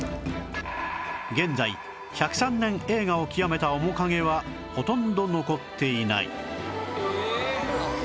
現在１０３年栄華を極めた面影はほとんど残っていない